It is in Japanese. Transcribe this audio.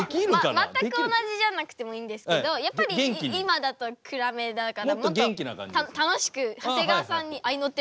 全く同じじゃなくてもいいんですけどやっぱり今だと暗めだからもっと楽しく長谷川さんにあいの手を入れるような感じでも。